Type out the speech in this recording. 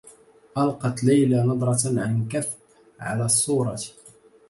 ألقت ليلى نظرة عن كثب على الصّورة.